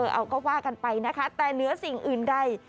เอาก็ว่ากันไปนะคะแต่เหนือสิ่งอื่นใด